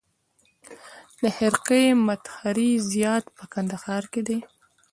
د خرقې مطهرې زیارت په کندهار کې دی